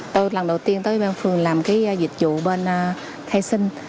tôi lần đầu tiên tới ban phường làm cái dịch vụ bên khai sinh